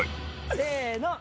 せの！